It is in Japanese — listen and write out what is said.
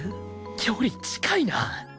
距離近いな